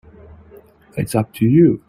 It's up to you.